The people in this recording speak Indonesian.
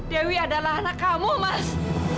dewi adalah anak kamu mas